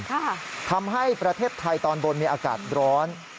ทำให้ประเทศไทยตอนบนมีอากาศร้อน